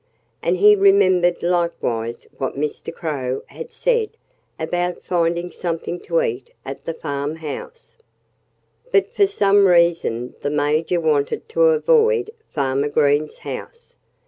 And he remembered likewise what Mr. Crow had said about "finding" something to eat at the farmhouse. But for some reason the Major wanted to avoid Farmer Green's house.